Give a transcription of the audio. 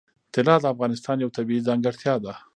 طلا د افغانستان یوه طبیعي ځانګړتیا ده.